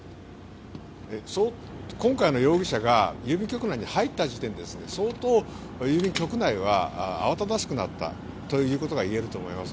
今回の容疑者が郵便局内に入った時点で相当郵便局内はあわただしくなったということがいえると思います。